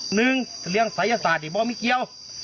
หนึ่งเลี้ยงศัยพรรษาทิเนี้ยบ่ไม่เกียว